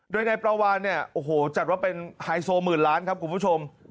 โดยนายปลาวานจัดว่าเป็นไฮโซหมื่นล้านครับคุณผู้ชม